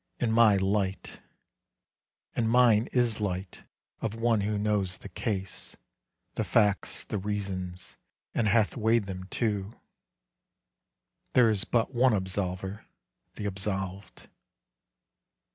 In my light, And mine is light of one who knows the case, The facts, the reasons, and hath weighed them too, There is but one absolver, the absolved.